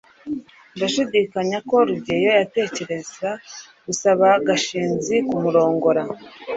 ndashidikanya ko rugeyo yatekereza gusaba gashinzi kumurongora